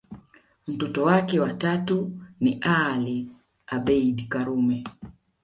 Mtoto wake wa tatu ni Ali Abeid Karume